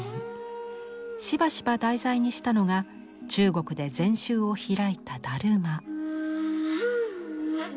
しばしば題材にしたのが中国で禅宗を開いた達磨。